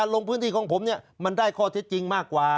สินคลิปของผมมันได้ข้อเท็จจริงมากกว่า